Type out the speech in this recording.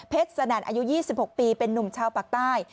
สนั่นอายุ๒๖ปีเป็นนุ่มชาวปากใต้